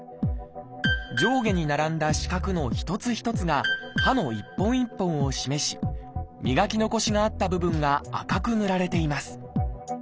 上下に並んだ四角の一つ一つが歯の一本一本を示し磨き残しがあった部分が赤く塗られています。